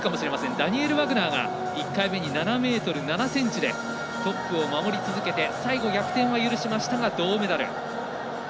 ダニエル・ワグナーが１回目に７ｍ７ｃｍでトップを守り続けて最後、逆転は許しましたが銅メダル。